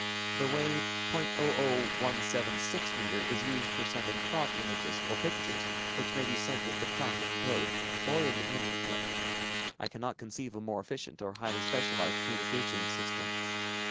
The wave .00176 meter, is used for sending thought images or pictures which may be sent with the "clacking" code, or independently. I cannot conceive a more efficient or highly specialized communications system.